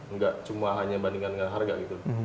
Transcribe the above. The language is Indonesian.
nggak cuma hanya bandingkan dengan harga gitu